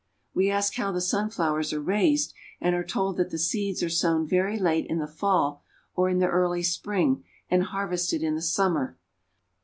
We ask how the sunflowers are raised, and are told that the seeds are sown very late in the fall or in the early spring, and harvested in the summer.